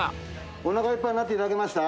おなかいっぱいになっていただけましたか？